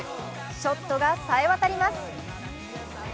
ショットがさえ渡ります。